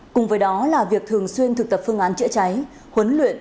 cùng với đó là việc thường xuyên thực tập phương án chữa cháy huấn luyện